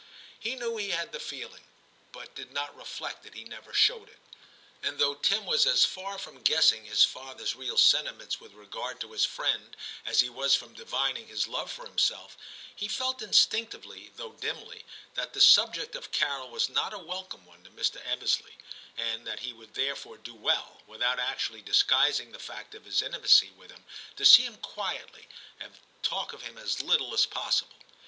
He knew he had IX TIM 203 the feeling, but did not reflect that he never showed it. And though Tim was as far from guessing his father's real sentiments with regard to his friend as he was from divining his love for himself, he felt instinctively, though dimly, that the subject of Carol was not a welcome one to Mr. Ebbesley, and that he would therefore do well, without actually disguising the fact of his intimacy with him, to see him quietly, and talk of him as little as possible.